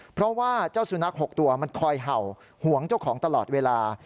เพราะว่าเจ้าสุนัข๖ตัวมันคอยเห่าห่วงเจ้าของตลอดเวลา